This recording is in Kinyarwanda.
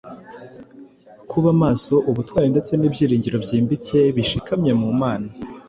kuba maso, ubutwari ndetse n’ibyiringiro byimbitse bishikamye mu Mana.